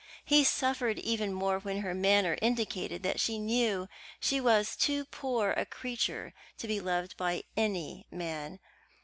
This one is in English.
He suffered even more when her manner indicated that she knew she was too poor a creature to be loved by any man.